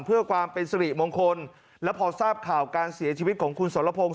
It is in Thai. เพื่อความเป็นสิริมงคลแล้วพอทราบข่าวการเสียชีวิตของคุณสรพงศ